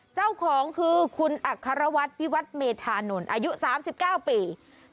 เจ้าของคือคุณอัครวัตรพิวัฒน์เมธานนท์อายุ๓๙ปี